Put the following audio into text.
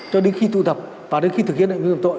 cho đến khi tụ tập và đến khi thực hiện hành vi phạm tội